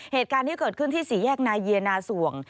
เหตุการณ์ที่เกิดขึ้นที่สี่แยกนาเยียนาส่วง